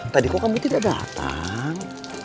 tadi kok kamu tidak datang